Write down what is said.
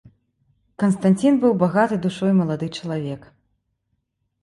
Канстанцін быў багаты душой малады чалавек.